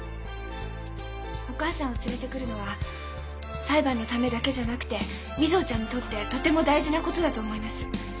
お母さんを連れてくるのは裁判のためだけじゃなくて瑞穂ちゃんにとってとても大事なことだと思います。